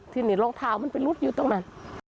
ทีนี้รองเท้ามันไปลุดอยู่ตรงนั้น